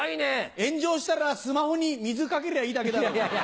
炎上したらスマホに水かけりゃあいいだけだろ。